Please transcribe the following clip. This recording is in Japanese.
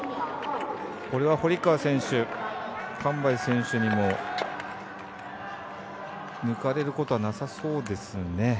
これは堀川選手、韓梅選手にも抜かれることはなさそうですね。